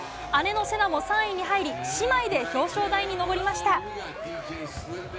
姉のせなも３位に入り姉妹で表彰台に上りました。